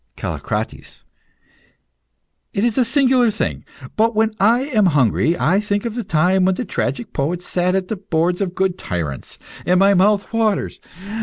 CALLICRATES. It is a singular thing, but when I am hungry I think of the time when the tragic poets sat at the boards of good tyrants, and my mouth waters.